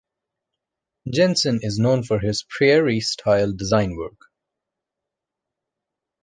Jensen is known for his prairie style design work.